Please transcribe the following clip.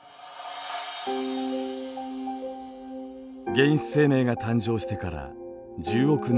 原始生命が誕生してから１０億年後。